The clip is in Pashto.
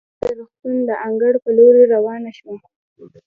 هغه د روغتون د انګړ په لورې روانه شوه.